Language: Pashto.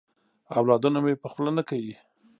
اولادونه مي په خوله نه کیې.